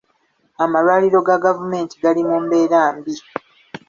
Amalwaliro ga gavumenti gali mu mbeera mbi.